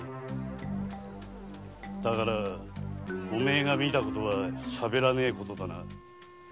だからお前が見たことは喋らねえことだな。